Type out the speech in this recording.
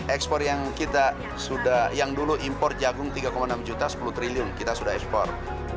ekspor yang kita sudah yang dulu impor jagung tiga enam juta sepuluh triliun kita sudah ekspor